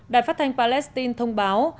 đài phát thanh palestine thông báo